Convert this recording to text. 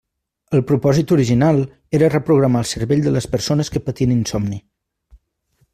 El propòsit original era reprogramar el cervell de les persones que patien insomni.